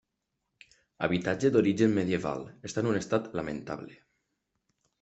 Habitatge d'origen medieval, està en un estat lamentable.